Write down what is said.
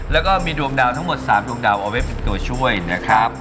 แล้วก็มีดวงดาวทั้งหมด๓ดวงดาวเอาไว้เป็นตัวช่วยนะครับ